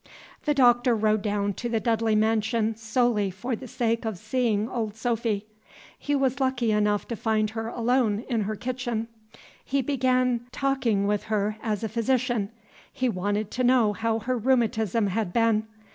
The Doctor rode down to the Dudley mansion solely for the sake of seeing old Sophy. He was lucky enough to find her alone in her kitchen. He began taking with her as a physician; he wanted to know how her rheumatism had been.